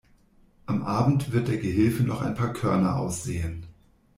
Am Abend wird der Gehilfe noch ein paar Körner aussähen.